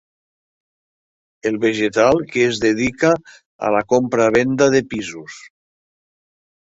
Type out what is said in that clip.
El vegetal que es dedica a la compra-venda de pisos.